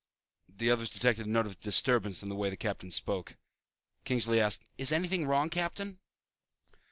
The others detected a note of disturbance in the way the captain spoke. Kingsley asked, "Is anything wrong, Captain?"